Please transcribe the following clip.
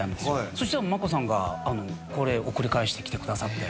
そしたらマコさんがこれ送り返してきてくださって。